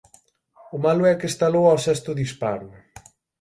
O malo é que estalou ó sexto disparo.